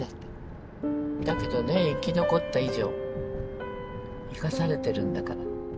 だけどね生き残った以上生かされてるんだから。